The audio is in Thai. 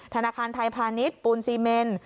ธนาคารไทยพาณิชย์ปูนซีเมน